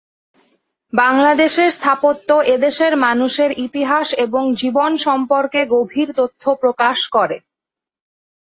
বাংলাদেশের স্থাপত্য এদেশের মানুষের ইতিহাস এবং জীবন সম্পর্কে গভীর তথ্য প্রকাশ করে।